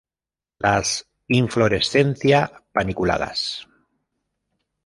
Las inflorescencia paniculadas.